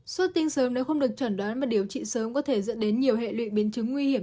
sốt tinh sớm nếu không được chẩn đoán mà điều trị sớm có thể dẫn đến nhiều hệ luyện biến chứng nguy hiểm